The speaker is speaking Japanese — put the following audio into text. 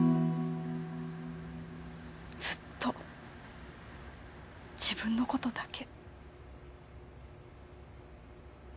ずっと自分の事だけ。